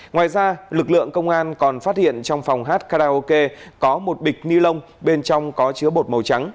ngoài ra lực lượng công an còn phát hiện trong phòng hát karaoke có một bịch ni lông bên trong có chứa bột màu trắng